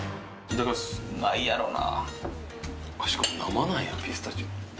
うまいやろな。